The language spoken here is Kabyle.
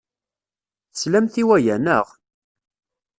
Teslamt i waya, naɣ?